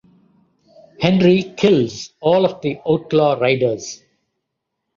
Henry kills all of the outlaw riders.